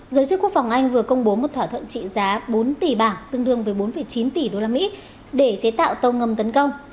giới chức quốc phòng anh vừa công bố một thỏa thuận trị giá bốn tỷ bảng tương đương với bốn chín tỷ usd để chế tạo tàu ngầm tấn công